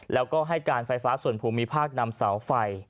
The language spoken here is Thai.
แล้วก็ให้การไฟฟ้าส่วนภูมิภาคนำเสาไฟ